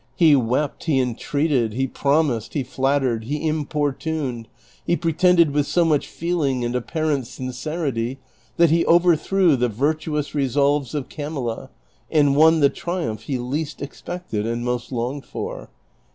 He wept, he en treated, he ]jromised, he flattered, he importuned, he pretended with so much feeling and apparent sincerity, that he overthrew the virtu ous resolves of Camilla and won the triumph he least expected and most longed for.